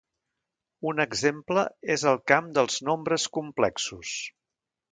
Un exemple és el camp dels nombres complexos.